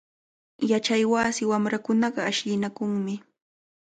Yachaywasi wamrakunaqa ashllinakunmi.